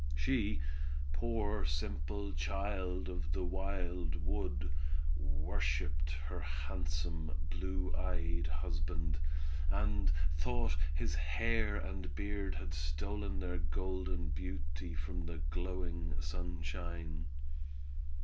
She, poor simple child of the wild wood, worshiped her handsome, blue eyed husband, and thought his hair and beard had stolen their golden beauty from the glowing sunshine.